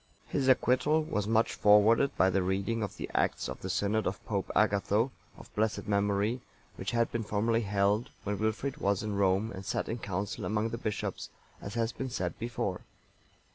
(923) His acquittal was much forwarded by the reading of the acts of the synod of Pope Agatho,(924) of blessed memory, which had been formerly held, when Wilfrid was in Rome and sat in council among the bishops, as has been said before.